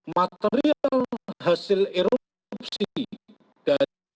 material hasil erupsi dari